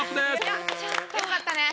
よかったね。